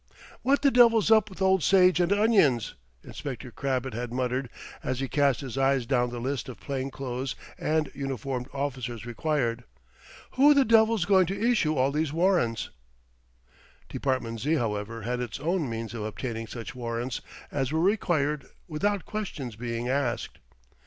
"What the devil's up with old Sage and Onions?" Inspector Crabbett had muttered, as he cast his eyes down the list of plain clothes and uniformed officers required. "Who the devil's going to issue all these warrants?" Department Z., however, had its own means of obtaining such warrants as were required without questions being asked.